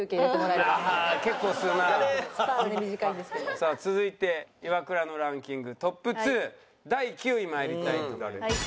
さあ続いてイワクラのランキングトップ２第９位まいりたいと思います。